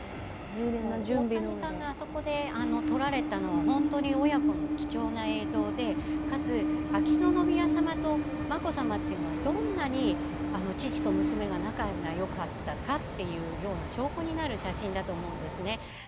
大谷さんがここで撮られたのは親子の貴重な映像でかつ、秋篠宮さまと眞子さまはどんなに父と娘が仲がよかったかという証拠になる写真だと思うんですね。